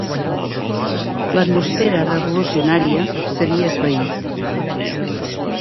L'atmosfera revolucionària s'havia esvaït.